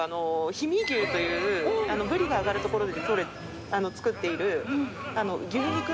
氷見牛というブリがあがるところで作っている。